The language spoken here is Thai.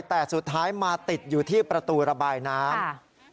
แต่สุดท้ายมาติดอยู่ที่ประตูระบายน้ำ